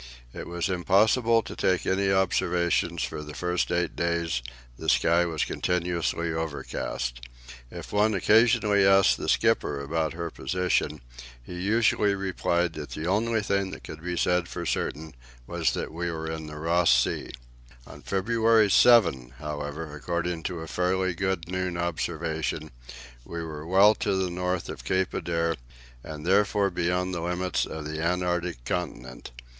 It was impossible to take any observations for the first eight days, the sky was continuously overcast. If one occasionally asked the skipper about her position, he usually replied that the only thing that could be said for certain was that we were in Ross Sea. On February 7, however, according to a fairly good noon observation, we were well to the north of Cape Adare, and therefore beyond the limits of the Antarctic Continent.